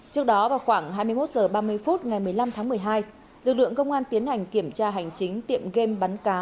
trước đó vào khoảng hai mươi một h ba mươi phút ngày một mươi năm tháng một mươi hai lực lượng công an tiến hành kiểm tra hành chính tiệm game bắn cá